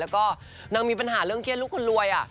แล้วก็นางมีปัญหาเรื่องเครียดลูกคนรวย